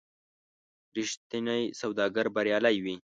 رښتینی سوداګر بریالی وي.